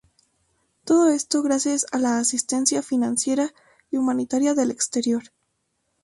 Todo esto gracias a la asistencia financiera y humanitaria del exterior.